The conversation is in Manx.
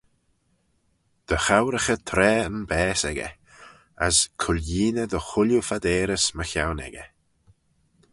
Dy chowraghey traa yn baase echey; as cooilleeney dy chooilley phadeyrys mychione echey.